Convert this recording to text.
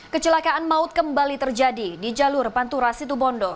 kecelakaan maut kembali terjadi di jalur pantura situbondo